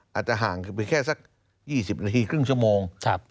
อาจจะห่างกันไปแค่สัก๒๐นาทีครึ่งชั่วโมง